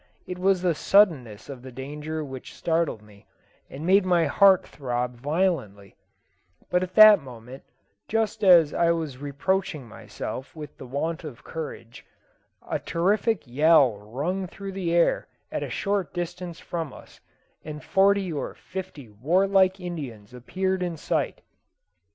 It was the suddenness of the danger which startled me, and made my heart throb violently; but at that moment, just as I was reproaching myself with the want of courage, a terrific yell rung through the air at a short distance from us, and forty or fifty warlike Indians appeared in sight.